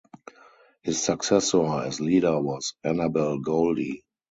His successor as leader was Annabel Goldie.